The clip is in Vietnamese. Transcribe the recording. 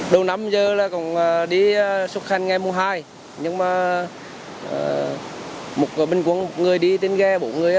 đầu năm giờ là còn đi xuân khanh ngày mùa hai nhưng mà một bên quân một người đi tên ghe bổ người